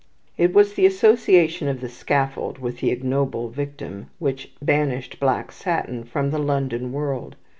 It was the association of the scaffold with an ignoble victim which banished black satin from the London world.